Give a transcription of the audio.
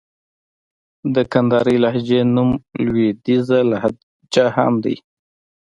د کندهارۍ لهجې نوم لوېديځه لهجه هم دئ.